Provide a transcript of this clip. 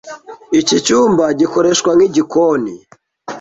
Iki cyumba gikoreshwa nkigikoni.